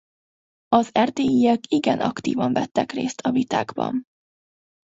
Az erdélyiek igen aktívan vettek részt a vitákban.